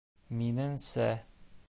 Минеңсә...